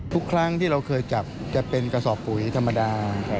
ทุกครั้งที่เราเคยจับจะเป็นกระสอบปุ๋ยธรรมดา